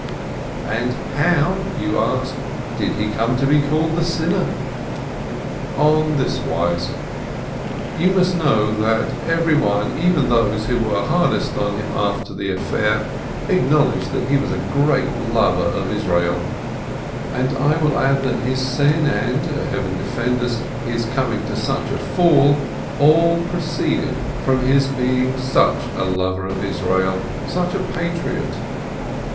And how, you ask, did he come to be called the Sinner? On this wise: You must know that everyone, even those who were hardest on him after the affair, acknowledged that he was a great lover of Israel, and I will add that his sin and, Heaven defend us, his coming to such a fall, all proceeded from his being such a lover of Israel, such a patriot.